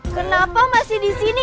kenapa masih di sini